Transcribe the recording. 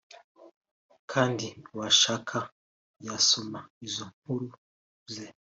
Kandi uwashaka yasoma izo nkuru ze